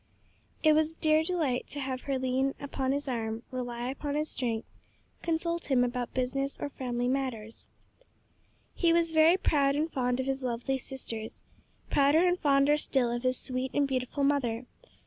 It was a dear delight to have her lean upon his arm, rely upon his strength, consult him about business or family matters. He was very proud and fond of his lovely sisters; prouder and fonder still of his sweet and beautiful mother.